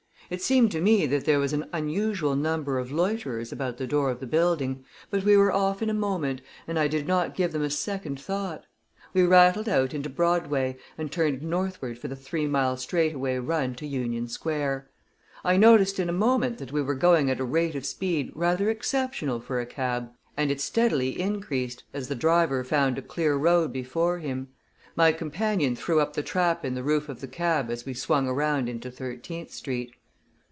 It seemed to me that there was an unusual number of loiterers about the door of the building, but we were off in a moment, and I did not give them a second thought. We rattled out into Broadway, and turned northward for the three mile straightaway run to Union Square. I noticed in a moment that we were going at a rate of speed rather exceptional for a cab, and it steadily increased, as the driver found a clear road before him. My companion threw up the trap in the roof of the cab as we swung around into Thirteenth Street.